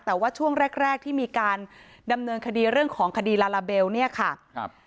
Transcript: แต่ว่าช่วงแรกแรกที่มีการดำเนินคดีเรื่องของคดีลาลาเบลเนี่ยค่ะครับ